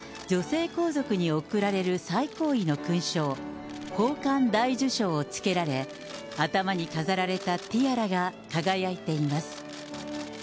天皇陛下から授与された女性皇族に贈られる最高位の勲章、宝冠大綬章を着けられ、頭に飾られたティアラが輝いています。